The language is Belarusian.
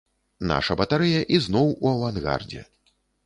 Наша батарэя ізноў у авангардзе.